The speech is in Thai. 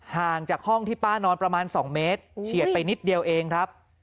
ห่างจากห้องที่ป้านอนประมาณ๒เมตรเฉียดไปนิดเดียวเองครับ